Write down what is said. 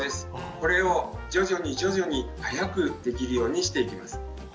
これを徐々に徐々に早くできるようにしていきます。